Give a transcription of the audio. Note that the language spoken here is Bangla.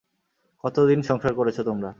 কতদিন সংসার করেছ তোমরা?